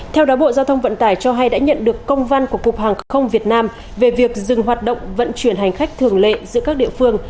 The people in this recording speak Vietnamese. theo đó bộ giao thông vận tải cho hay đã nhận được công văn của cục hàng không việt nam về việc dừng hoạt động vận chuyển hành khách thường lệ giữa các địa phương